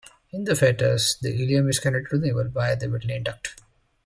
In the fetus the ileum is connected to the navel by the vitelline duct.